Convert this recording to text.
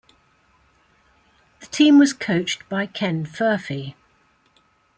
The team was coached by Ken Furphy.